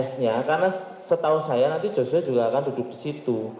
hs nya karena setahu saya nanti joshua juga akan duduk disitu